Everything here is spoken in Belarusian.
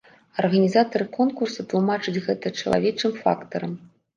Арганізатары конкурса тлумачаць гэта чалавечым фактарам.